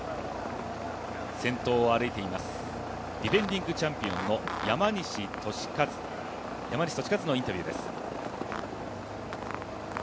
先頭を歩いています、ディフェンディングチャンピオンの山西利和のインタビューです。